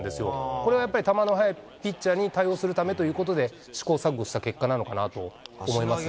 これはやっぱり球の速いピッチャーに対応するためということで、試行錯誤した結果なのかなと思いますね。